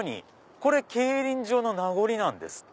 これ競輪場の名残なんですって。